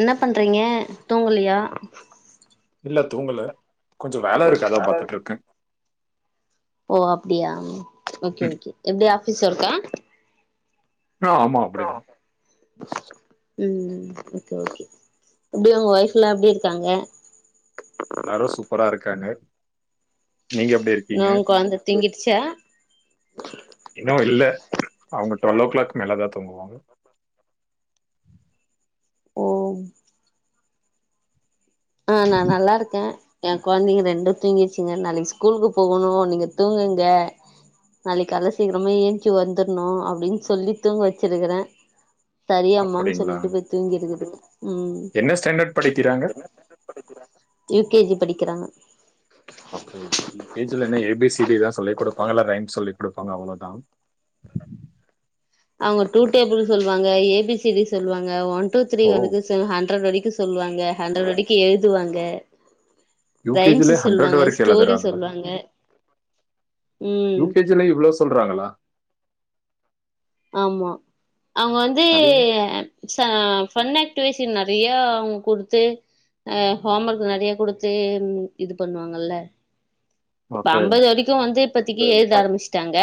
என்ன பண்றீங்க தூங்கலியா இல்ல தூங்கல கொஞ்ச வேல இருக்கு அதா பாத்துட்டு இருக்கே ஓ அப்டியா ஓகே ம். ஓகே எப்டி ஆபீஸ் ஒர்க்கா ஆ, ஆமா அப்படிதான் ம் ஓகே ஓகே எப்டி உங்க ஒய்ஃப் எல்லா எப்டி இருக்காங்க எல்லாரு சூப்பரா இருக்காங்க நீங்க எப்டி இருக்கீங்க இன்னு கொழந்த தூங்கிடுச்சா இன்னு இல்ல அவங்க டுவெல் ஓ கிளாக் மேலதா தூங்குவாங்க ஓ ஆ நா நல்லா இருக்கே ஏ கொழந்தைங்க ரெண்டு தூங்கிருச்சுங்க நாளைக்கு ஸ்கூலுக்கு போகணு நீங்க தூங்குங்க நாளைக்கு கால்ல சீக்கிரமா ஏஞ்சி வந்துரணு அப்டின்னு சொல்லி தூங்க வச்சிருக்கறே சரி அம்மான்னு அப்படிங்களா சொல்லிட்டு போய் தூங்கிருக்குது ம் என்ன ஸ்டாண்டர்ட் படிக்கிறாங்க யு கே ஜி படிக்கிறாங்க கே ஜி ல என்ன ஏ பி சி டி தா குடுப்பாங்க இல்ல ரைம்ஸ் சொல்லி குடுப்பாங்க அவ்வளோதா அவங்க டூ டேபிள் சொல்லுவாங்க ஏ பி சி டி சொல்லுவாங்க ஒன் டூ த்ரீ ஓ வந்து ஸ் ஹண்ரட் வரைக்கு சொல்லுவாங்க ஹண்ரட் வரைக்கு எழுதுவாங்க யூ கே ஜி ரைம்ஸ் ல ஹண்ட்ரட் சொல்லுவாங்க வரைக்கு ஸ்டோரி எழுதுறாங்களா சொல்லுவாங்க யூ ம் கே ஜி ல இவ்ளோ சொ சொல்றாங்களா ஆமா அவங்க வந்து சரி. ச ஃபன் ஆக்ட்டிவிஷன் நெறைய அவங்க குடுத்து அ ஹோம் ஒர்க் நறைய குடுத்து ம் இது பண்ணுவாங்கல்ல இப்ப ஓகே அம்பது வரைக்கு வந்து இப்பத்திக்கு எழுத ஆரம்பிச்சிட்டாங்க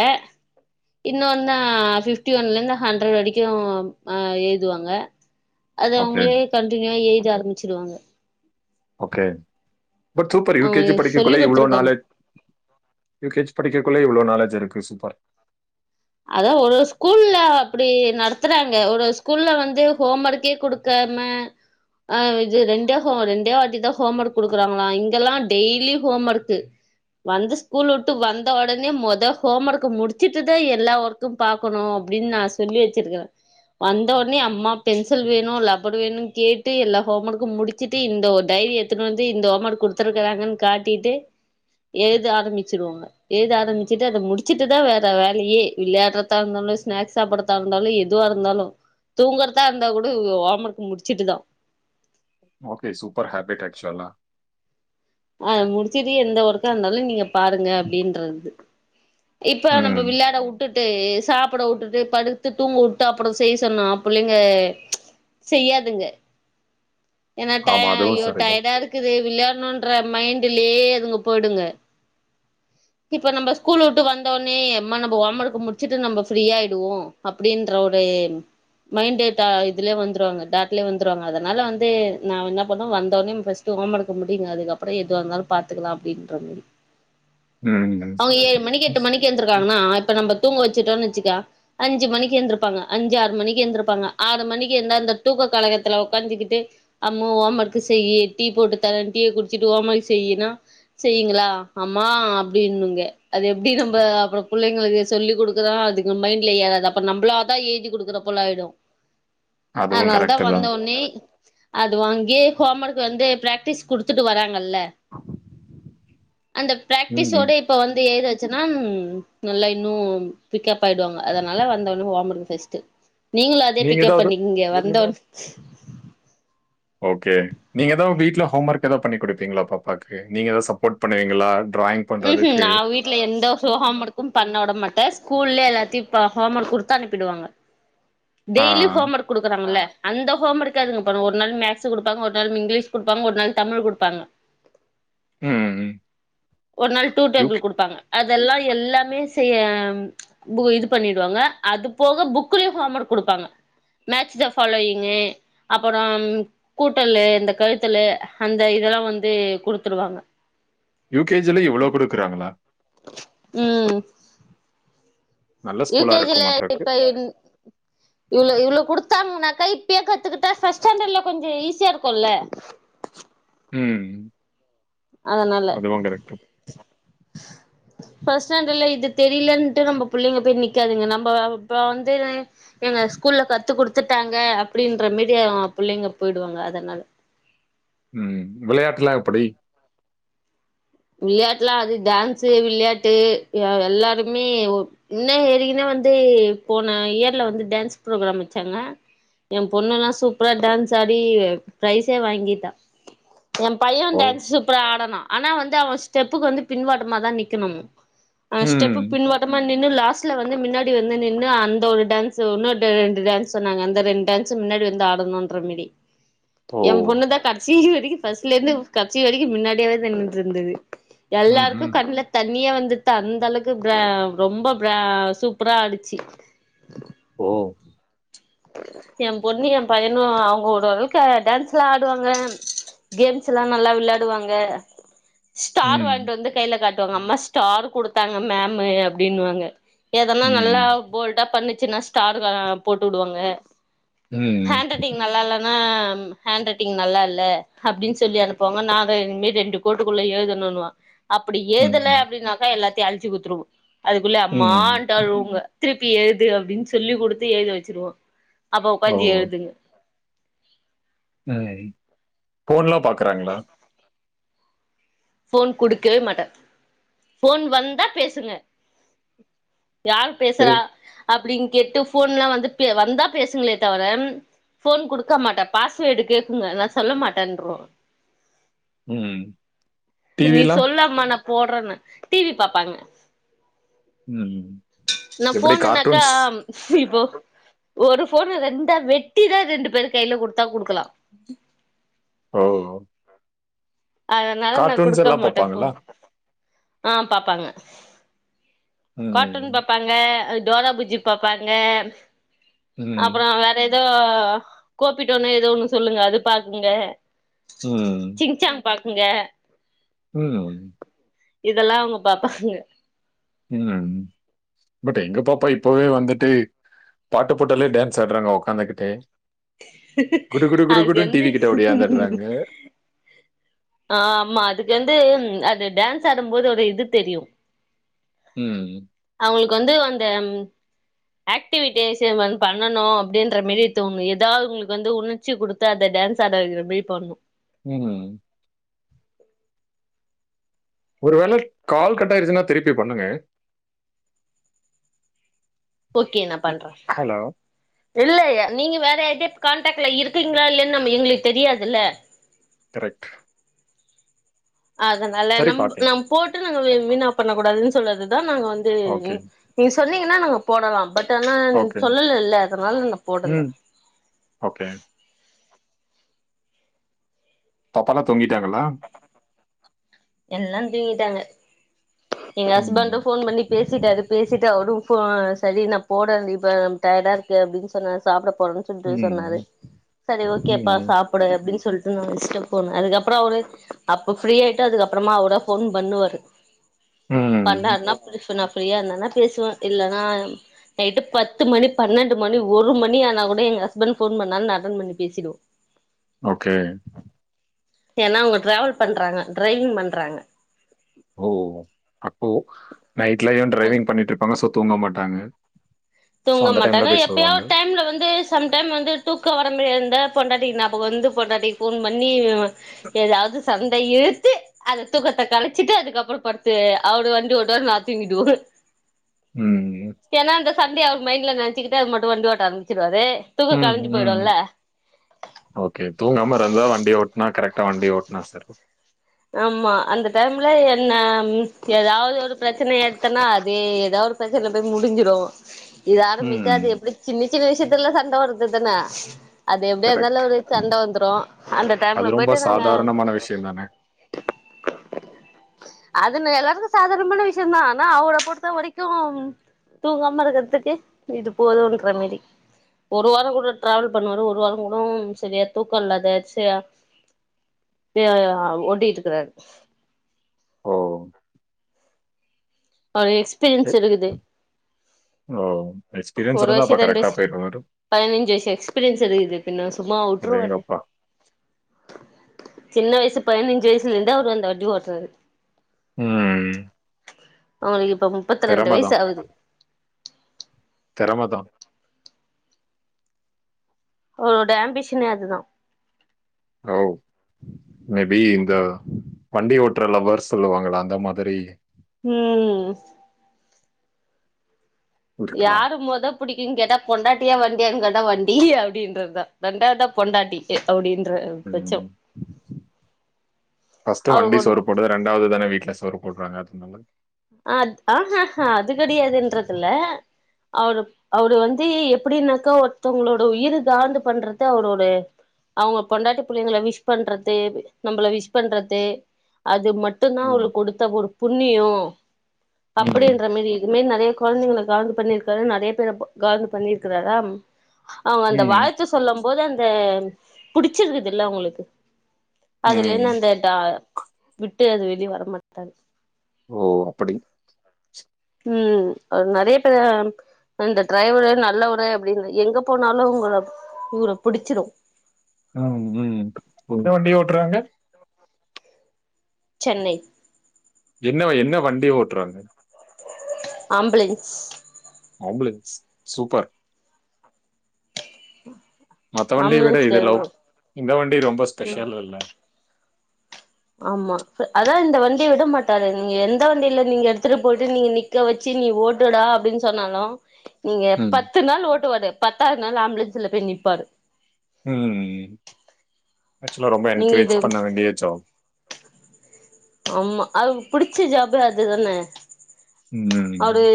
இன்ன ஒன்னா ஃபிப்டி ஒன்ல இருந்து ஹண்ட்ரட் வரைக்கும் ஆ எழுதுவாங்க அத ஓகே அவங்களே கண்டினியூவா எழுதி ஆரம்பிச்சிருவாங்க okay but super U K அவங்க ஜி சொல்லி படிக்கக்குள்ளே இவ்ளோ குடுத்துருக்காங்க நாளேஜ் யூ கே ஜி படிக்கறகுள்ளே இவ்வளோ நாலேஜ் இருக்கு சூப்பர் அதா ஒரு ஒரு ஸ்கூல்ல அப்டி நடத்துறாங்க ஒரு ஸ்கூல்ல வந்து ஹோம் ஒர்க்கே குடுக்க க்காம ஆ இது ரெண்டே ஹம் ரெண்டே வாட்டி தா ஹோம் ஒர்க் கொடுக்குறாங்களா இங்கெல்லா டெய்லி ஹோம் ஒர்க்கு வந்து ஸ்கூல் விட்டு வந்த ஒடனே மொத ஹோம் ஒர்க்க முடிச்சுட்டுதா எப் ல்லா ஓர்க்கும் பாக்கணும் அப்டின்னு நா சொல்லி வச்சிருக்குறே வந்த உடனே அம்மா பென்சில் வேணும் லப்பர் வேணுன்னு கேட்டு எல்லா ஹோம் ஒர்க்கும் முடிச் ச்சிட்டு இந்த டைரி எத்துன்னு வந்து இந்த ஹோம் ஒர்க்கு குடுத்துருக்கிறாங்கன்னு காட்டிட்டு எழுத ஆரம்பிச்சிருவாங்க எழுத ஆரம்பிச்சுட்டு அத முடிச்சுட்டுதா வேற வேலயே விளையாட்றதா இருந்தாலும் ஸ்நாக்ஸ் சாப்பிடறதா இருந்தாலும் எதுவா இருந்தாலும் தூங்கிறதா இருந்தா கூட ஓமர்க்கு முடிச்சிட்டுதா ஓகே சூப்பர் ஹபிட் அச்சுவல்லா ஆ முடிச்சுட்டு எந்த ஒர்க்கா இருந்தாலும் நீங்க பாருங்க அப்டின்றது இப்ப நம்ம ம் விள்ளாட உட் விட்டுட்டு சாப்ட விட்டுட்டு படுத்து தூங்கவுட்டு அப்புறோ செய்ய சொன்னா புள்ளைங்க செய்யாதுங்க ஏனா ஆமா, அதுவும் ஐயோ சரிதான். டயர்டா இருக்குது விளையாட்ணுனு ன்ற மைண்டுலயே அதுங்க போயிடுங்க இப்ப நம்ம ஸ்கூல் விட்டு வந்தோடனே அம்மா நம்ம ஹோம் ஒர்க்க முடிச்சுட்டு நம்ம ஃப்ரீயா ஆயிடுவோ அப்டின்ற ஒரு மைண்ட் த இதுலே வந்துவாங்க தாட்லே வந்துருவாங்க அதனால வந்து நா என்ன பண்ணுவே வந்தோனே ஃபஸ்ட் ஹோமர்க்க முடியுங்க அதுக்கப்றோ எதுவா இருந்தாலு பாத்துகளா அப்டின்ற மாரி ம். அவுங்க ஏழு மணிக்கு எட்டு மணிக்கு எந்திருக்காங்கன்னா இப்ப நம்ம தூங்க வச்சுட்டோனு வச்சுக்க அஞ்சு மணிக்கு எந்திருப்பாங்க அஞ்சு ஆறு மணிக்கு எந்திருப்பாங்க ஆறு மணிக்கு எழுந்தா அந்த தூக்க கலக்கத்துல உக்காந்துக்கிட்டு அம்மு ஹோமர்க்கு செய்யி டீ போட்டு தரே டீய குடிச்சிட்டு ஹோமர்க்கு செய்யினா செய்யுங்களா அம்மா அப்டின்னுங்க அது எப்டி நம்ப அப்றோ பிள்ளைங்களுக்கு சொல்லி குடுக்குறா அதுக்கு மைண்ட்ல ஏறாது அப்ப நம்பளாதா ஏத்தி குடுக்குறா போல ஆயிடு அதுவும் அதனால தா கரெக்ட்டு வந்த தான். ஒன்னே அதுவு அங்கே ஹோமர்க் வந்து ப்ராக்டிஸ் குடுத்துட்டு வராங்கல்ல அந்த ம். ப்ராக்டிஸோட இப்ப வந்து எழுதச்சன்னா ம் நல்லா இன்னும் பிக்கப் ஆயிடுவாங்க அதனால வந்தோன்னே ஒமர்க்கு ஃபஸ்டு நீங்களும் அதே நீங்க பிக்கப் ஏதாவது பண்ணிக்கங்க வந்தோன்னே உஹ ஓகே நீங்க ஏதாவது வீட்ல ஹோமர்க் ஏதாவது பண்ணி குடுப்பீங்களா பாப்பாக்கு நீங்க தா சப்போ்ட் பண்ணுவீங்களா ட்ராயிங் ம் ம் நா வீட் ட்ல எந்த ஒரு ஹோமர்க்கு பண்ணவிட மாட்டே ஸ்கூல்லே எல்லாத்தையு ப ஹோமர்க் குடுத்தனுப்பிடுவாங்க ஆ. டெய்லியு ஹோமர்க் குடுக்குறாங்கல்ல அந்த ஹோமர்க அதுங்க பண்ணு ஒரு நாள் மேக்ஸு குடுப்பாங்க ஒரு நாள் இங்கிலீஷு குடுப்பாங்க ஒரு நாள் தமிழு குடுப்பாங்க ம். ஒரு நாள் டூ யுகே டேபிள் குடுப்பாங்க அது எல்லா எல்லாமே செய்ய பு இது பண்ணிடுவாங்க அது போக புக்குலையு ஹோமர்க் குடுப்பாங்க மேட்ச் த ஃபாலோயிங்கு அப்பறோ கூட்டல்லு இந்த கழித்தல்லு அந்த இது எல்லா வந்து குடுத்துருவாங்க யு கே ஜி ல இவ்ளோ குடுக்குறாங்களா ம் நல்ல யு ஸ்கூலா கே ஜி ல இருக்குமாட்ருக்கு. இப்ப இன் இவ்ளோ இவ்ளோ குடுத்தாங்கனாக்கா இப்பயே கத்துக்கிட்டா ஃபஸ்ட் ஸ்டாண்டர்ட்ல கொஞ்சோ ஈஸியா இருக்குல்ல ம் அதனால அதுவும் கரெக்ட்டு. ஃபஸ்ட் ஸ்டாண்டர்ல இது தெரியலன்ட்டு நம்ம பிள்ளைங்க போயி நிக்காதுங்க நம்ம இப்ப வந்து எங்க ஸ்கூல்ல கத்து குடுத்துட்டாங்க அப்டின்ற மாரி அவ பிள்ளைங்க போயிடுவாங்க அதனால ம் விளையாட்லா எப்புடி விளையாட்டுலா அது டான்ஸு விளையாட்டு எ எல்லாருமே இன்ன ஏரிக்குன்னா வந்து போன இயர்ல வந்து டான்ஸ் ப்ரோக்ராம் வச்சாங்க ஏ பொண்ணெல்லா சூப்பரா டான்ஸ் ஆடி ப்ரைஸே வாங்கிட்டா ஏ பையே ஓ! டான்ஸு சூப்பரா ஆடுனா ஆனா அவ ஸ்டெப்புக்கு வந்து பின்வாட்டமாதா நிக்கணுமா அவே ம். ஸ்டெப்பு பின்வாட்டமா நின்னு லாஸ்ட்ல வந்து மினனாடி வந்து நின்னு அந்த ஒரு டான்ஸு இன்னு ரெண்டு டான்ஸ் சொன்னாங்க அந்த ரெண்டு டான்ஸு முன்னாடி வந்து ஆடணுன்ற மாரி ஓ! ஏம் பொண்ணுதா கடேசி வரைக்கு ஃபர்ஸ்ட்லே இருந்து கடேசி வரைக்கு முன்னாடியாவே தா நின்னுட்ருந்தது எல்லாருக்கு ம்ஹ்ம். கண்ல தண்ணியே வந்துட்டு அந்தளவுக்கு ப்ர ரொம்ப ப்ர சூப்பரா ஆடுச்சு ஓ என பொண்ணு எ பையனு அவுங்கோ ஓரு அளவுக்கு டான்ஸ்ல்லா ஆடுவாங்க கேம்ஸ் எல்லா நல்லா விளையாடுவாங்க ஸ்டார் ம். வாங்கிட்டு வந்து கையில காட்டுவாங்க அம்மா ஸ்டார் கு டுத்தாங்க மேம்மு அப்டினுவாங்க எதன்னா நல்லா ம். போல்டா பண்ணுச்சுன்னா ஸ்டார் அ போட்டுடுவாங்க ம். ஹேண்ட் ரைட்டிங் நல்லால்ல னா ஹேண்ட் ரைட்டிங் நல்லா இல்ல அப்டின்னு சொல்லி அனுப்வாங்க நா வே இனி ரெண்டு கோட்டுக்குள்ள எழுதுணுன்வா அப்டி எழுதல ம். அப்டின்னாக்கா எல்லாத்தையு அழிச்சி குத்துருவோ அதுக்குள்ள ம். அம்மாண்டு அழுவுங்க திருப்பி எழுது அப்டின்னு சொல்லி் குடுத்து எழுத வெச்சுருவோ அப்ப ஓ! உக்காந்தி எழுதுங்க ம் ஃபோன்லா பாக்குறாங்களா ஃபோன் குடுக்கவே மாட்ட ஃபோன் வந்தா பேசுங்க யார் பேசறா ஏய், அப்டின்னு கேட்டு போன்ல்லா வந்துட் பே வந்தா பேசுங்ளே தவர போன் குடுக்க மாட்டா பாஸ்வேர்டு கேக்குங்க நா சொல்ல மாட்டேன்ருவ ம் நீ டிவிலாம் சொல்லாம்மா நா போடறன்னு டி வி பாப்பாங்க ம் ம் நா எப்படி போனன்னாக்க கார்ட்டூன்ஸ் இப்போ ஒரு போன ரெண்டா வெட்டிதா ரெண்டு பேரு கைல குடுத்தா குடுக்கலா ஓ அதனால நா கார்ட்டூன்ஸ் குடுக்க எல்லாம் மாட்ட பார்ப்பாங்களா போன் ஆ பாப்பாங்க ம் கார்ட்டூன் பாப்பாங் ங்க டோரா பூஜ்ஜி பாப்பாங்க ம் அப்பறோ வேற எ ஏதோ கோப்பிட்டோனோ ஏதோ ஒன்னு சொல்லுங்க அது பாக்குங்க ம் சிங் சாங் பாக்குங்க ம் இதெல்லா அவுங்க பாப்பாங்க ம் பட் எங்க பாப்பா இப்பவே வந்துட்டு பாட்டு போட்டாலே டான்ஸ் ஆடுறாங்க உக்காந்துகிட்டே குடு குடு குடு அதுக்கு குடுன்னு டி வந்து வி கிட்ட ஒடியாந்துறாங்க ஆமா அதுக்கு வந்து அது டான்ஸ் ஆடும்போது ஒரு இது தெரியு ம் அவுங்களுக்கு வந்து அந்த ஆக்டிவிட்டேஷன் வன் பண்ணணு அப்டின்ற மேரி தோணு எடு தா அவுங்களுக்கு வந்து உணர்ச்சி குடுத்து அத டான்ஸ் ஆட வெக்கிற மாரி பண்ணு ம் ஒரு வேள க்கால் கட்டாயிருச்சுன்னா திருப்பி பண்ணுங்க ஓகே நா பண்ற ஹலோ இல்லயே நீங்க வேற எப்டி கான்டாக்ட்ல இருக்கீங்களா இல்லையான்னு நம்ம எங்குளுக் தெரியாதுல்ல கரெக்ட் அதனால சரி நம் பாட்டிங் நம் போட்டு நாங்க வீ வீணா பண்ண கூடாதுன்னு சொல்றதுதா நாங்க வந்து ஓகே நீ சொன்னீங்கன்னா நாம போடலா பட் ஆனா ஓகே சொல்லல இல்ல அதனால நா போடல ம் ஓகே பாப்பாலா தூங்கிட்டாங்களா எல்லா தூங்கிட்டாங்க எங்க ம் ஹஸ்பண்டு போன் பண்ணி பேசிட்டாரு பேசிட்டு அவரு இப்பே சரி நா போடன்டி இப்ப டயர்டா இருக்கு அப்டின்னு சொன்னாரு சாப்ட போறென் சொல்லிட்டு சொன்னாரு ம் சரி ஓகேப்பா ம் சாப்பிடு அப்டின் சொல்ட்டு நா வெஷ்ட ஃபோனு அதுக்கப்புறோ அவரு அப்ப ஃப்ரீயாயிட்டு அதுக் அப்புறமா அவரே ஃபோன் பண்ணுவாரு ம். பண்றாருன்னா புதூசு நா ஃப்ரீயா இருந்தேன்னா பேசுவே இல்லனா நைட் பத்து மணி பன்னெண்டு மணி ஒரு மணி ஆனா கூட எங்க ஹஸ்பண்ட் ஃபோன் பண்ணால நா அட்டன் பண்ணி பேசிடுவ் ஓகே ஏன்னா அவங்க டிராவல் பண்றாங்க டிரைவிங் பண்றாங்க ஓ அப்போ நைட்ல ஏ டிரைவிங் பண்ணிட்டு இருப்பாங்க ஸோ தூங்க மாட்டாங்க ஸோ தூங்க அந்த டைம்ல மாட்டாங்க போய் எப்பயோ சொல்லுவாங்க. ஒர் டைம்ல வந்து சம் டைம் வந்து தூக்க வர மாரி இருந்தா பொண்டாட்டிக்கு ஞாபகம் வந்து பொண்டாட்டிக்கு ஃபோன் பண்ணி ஏதாவது சண்டை இழுத்து அந்த தூக்கத்த கலச்சிட்டு அதுக்கு அப்புறோ பட்த்து அவரரு வண்டி ஒட்டுவாரு நா தூங்கிடுவோ ம் ம் ஏன்னா அந்த சண்டய அவர் மைண்ட்ல நென்ச்சு கிட்டே மட்டு வண்டி ஓட்ட ஆரம்பிச்சுடுவாரு தூக்கோ ம், களஞ்சி ம். போயிடுல்ல ஓகே தூங்காம நல்லா வண்டி ஓட்னா கரெக்டா வண்டி ஓட்னா சரி ஆமா அந்த டைம்ல என்ன ஏதாவது ஒரு பிரச்சன எட்த்தேன்னா அதே தாவத் பிரச்சன இப்ப முடிஞ்சிடூ இதாது ம். மிஞ்சாது எப்டி சின்ன சின்ன விஷயத்துலா சண்ட வருதுத்தான அது எப்டியா இருந்தாலூ கரெக்ட். ஒரு சண்ட வந்துறோ அந்த அது டைம்ல ரொம்ப போயிட்டு நாங்க சாதாரணமான விஷயம் தானே! எதுக்கு அது நா எல்லாருக்கூ சாதாரணமான விஷயந்தான் ஆனா அவரை பொறுத்த வரைக்கூ தூங்காம்ம இருக்கிறதுக்கு இது போதுன்ற மேரி ஒரு வார கூட டிராவல் பண்ணுவாரு ஒரு வார கூட சரியா தூக்க இல்லாத அட்ச்சியா எ ஆ ஓடிட்டிருக்கார் ஓ ஒரு எ எக்ஸ்பீரியன்ஸ் இருக்குது ஓ எக்ஸ்பீரியன்ஸ் ஒரு இருந்தா அப்ப வயசு ரெண்டு கரெக்ட்டா வயசு போயிருவாரு. பதினஞ்சு வயசு எக்ஸ்பீரியன்ஸ் இருக்குது பின்ன சும்மாவா விட்ருவாரு அடேங்கப்பா! சின்ன வயசு பதினைஞ்சு வயசு இருந்து அவரு அந்த வண்டி ஓட்டுறாரு ம் அவங்களுக்கு இப்ப முப்பத்தி ரெண்டு திறம வயசு ஆகுது திறமதா அவங்களோட ஆம்பிஷனே அதுதா மே பி இந்த வண்டி ஓட்ற லவ்வர்ஸ் சொல்லுவாங்களா அந்த மாதிரி ம் இருக்கலாம். யாரு மொத பிடிக்கூ கேட்டா பொண்டாட்டியா வண்டியான் கேட்டா வண்டி அப்டின்றதுதா ரெண்டாவத் தா பொண்டாட்டி எ அப்டின்றாறு சரிங்கெ ஃபஸ்ட்டு வண்டி அவருக்கு சோறு ஒன்னு போட்டது ரெண் டாவது தானே வீட்ல சோறு போட்றாங்க அத்னால அத் ஹ ஹ ஹாங் அது கடியாதுன்றத்தில்ல அவரு அவரு வந்து எப்டின்னாக்கா ஒருத்தவங்களோட உயிர் காந்து பண்றது அவரோட அவுங்க பொண்டாட்டி புள்ளைங்கள விஷ் பண்றத்து நம்மள விஷ் பண்றது அது மட் மட்டுந்தா ம். அவளுக்கு கொடுத்த ஒரு புண்ணியோ ம். அப்டின்ற மாரி இதுவே நெறய கொழந்தைங்கள கலந்து பண்ணியிருக்காரு நெறய பேரு கலந்து பண்ணிருக்கிறாரா அவுங்க அந்த ம். வாழ்த்த சொல்லும் போது அந்த புடிச்சிருக்குதுல்ல உங்களுக்கு அதுலன்னு ம். அந்த டா விட்டு அது வெளியே வரமாட்டாரு ஓ அப்டி ம் அவரு நெறய பேர இந்த டிரைவரு நல்லவரு அப்டின்னு எங்க போனாலும் உங்கள இவர பிடிச்சிறு ம்ம் எந்த வண்டி ஓட்டறாங்க சென்னை என்ன என்ன வண்டி ஓட்டுறாங்க ஆம்புலன்ஸ் ஆம்புலன்ஸ் சூப்பர் மத்த வண்டிய விட ஆம்புலன்ஸ் இது லவ் டிரைவர் இந்த வண்டி ரொம்ப ம் ஸ்பெஷலில்ல ஆமா அதா இந்த வண்டிய விட மாட்டாரு நீங்க எந்த வண்டியில நீங்க எடுத்துட்டு போயிட்டு நீங்க நீக் க்க வச்சு நீ ஓட்டுடா அப்டின்னு சொன்னாலு நீங்க ம். பத்து நாள் ஓட்டுவாரு பத்தாவது நாள் ஆம்புலன்ஸ்ல போய் நிற்பாரு ம் ம் ஆக்சுவலா ரொம்ப நீங்க இது என்கரேஜ் பண்ண வேண்டிய ஜாப் ஆமா அவருக்கு புடிச்ச ஜபே அதுதானே அவரு ம்.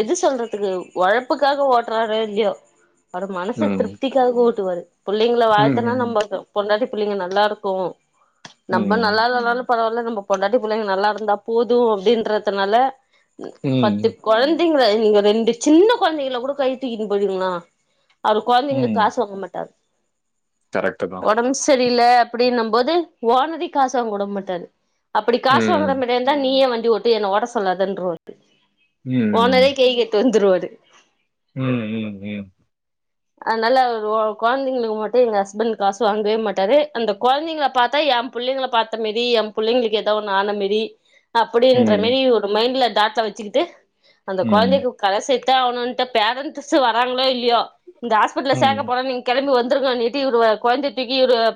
எது சொல்றதுக்கு ஒழப்புக்காக ஓட்டுறாரே இல்லயோ அவரு மனசு திருப் ம். த்திக்காக ஓட்டுவாரு புள்ளைங்களை வாழ்த்தனா ம். நம்ம பொண்டாடி பிள்ளைங்க நல்லா இருக்கு நம்ம நல்லா ம். இல்லனாலு பரவாயில்ல நம்ம பொண்டாட்டி புள்ளைங்க நல்லா இருந்தா போது அப்டின்றதுனால ம் த்து கொழந்தைங்கள நீங்க ரெண்டு சின்ன கொழந்தைங்கள கூட கை தூக்கின்னு போவிங்களா அவரு கொழந்தைங்களுக்கு காசு வாங்க மாட்டாரு கரெக்டு தா ஒடம்பு செரியில அப்டின்னு போது ஒன்னரையு காசு வாங்க உட மாட்டாரு அப்டி காசு ம். வாங்குற மாரியா தா இருந்தா நீயே வண்டி ஓட்டு என்ன ஓட சொல்லாதுன்ற வாரு ஓனரே ம். கை கட் டுந்துரு வாரு ம் ம் ம் அதனால ஒரு கொழந்தங்களுக்கு மட்டு எங்க ஹஸ்பண்ட் காசு வாங்கவே மாட்டாரு அந்த கொழந்தங்க பாத்தா எம் புள்ளைக்கள பாத்த மேரி எம் புள்ளைங்களுக்கு ஏதோ ஒன்னு ஆன மேரி அப்டின்ற ம். மேரி ஒரு மைண்ட்ல டாட்ல வச்சுக்கிட்டு அந்த ம். கொழந்தக்கு கரசேத்தே ஆவணுன்னுட்டு பேரண்ட் வராங்களோ இல்லயோ இந்த ஹாஸ்பிடல ம். சேக்க போற நீங்க கெளம்பி வந்திருக்கன்னிட்டு இவுரு கொழந்தய தூக்கி இவுரு